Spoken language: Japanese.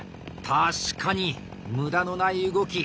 確かに無駄のない動き。